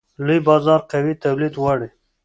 لوی بازار قوي تولید غواړي.